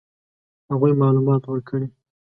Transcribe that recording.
هغوی معلومات ورکړي.